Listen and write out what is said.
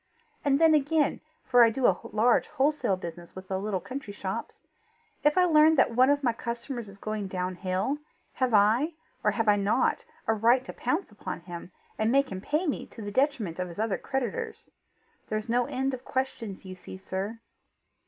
And then again for I do a large wholesale business with the little country shops if I learn that one of my customers is going down hill, have I, or have I not, a right to pounce upon him, and make him pay me, to the detriment of his other creditors? There's no end of questions, you see, sir."